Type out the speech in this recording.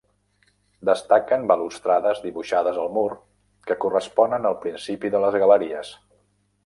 Destaquen balustrades dibuixades al mur que corresponen al principi de les galeries.